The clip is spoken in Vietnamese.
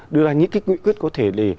đưa ra những cái quyết có thể để